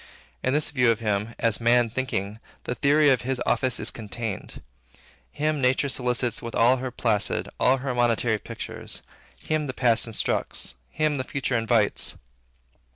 In this view of him, as Man Thinking, the theory of his office is contained. Him nature solicits with all her placid, all her monitory pictures; him the past instructs; him the future invites.